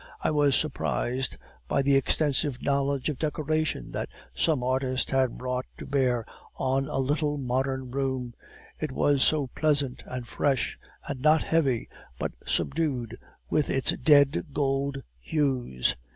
I was surprised by the extensive knowledge of decoration that some artist had brought to bear on a little modern room, it was so pleasant and fresh, and not heavy, but subdued with its dead gold hues.